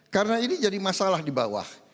karena ini jadi masalah di bawah